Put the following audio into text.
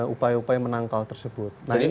upaya upaya menangkal tersebut